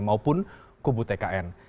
maupun kubu tkn